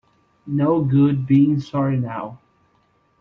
No good being sorry now.